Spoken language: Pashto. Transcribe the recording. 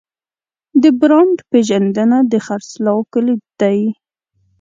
د برانډ پیژندنه د خرڅلاو کلید دی.